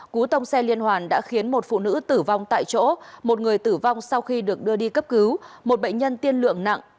cú tông xe liên hoàn đã khiến một phụ nữ tử vong tại chỗ một người tử vong sau khi được đưa đi cấp cứu một bệnh nhân tiên lượng nặng